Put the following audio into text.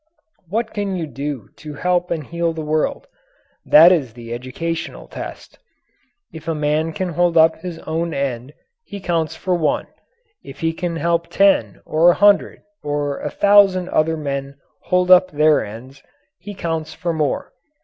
What can you do to help and heal the world? That is the educational test. If a man can hold up his own end, he counts for one. If he can help ten or a hundred or a thousand other men hold up their ends, he counts for more.